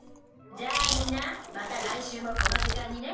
「じゃあみんなまた来週もこの時間にね」。